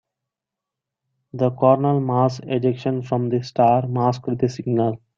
The coronal mass ejection from the star masked the signal.